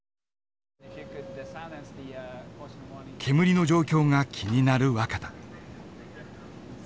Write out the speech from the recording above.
煙の状況が気になる若田。